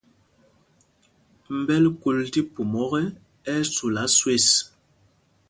Mbɛ̂l kúl tí pum ɔ́kɛ, ɛ́ ɛ́ sula swes.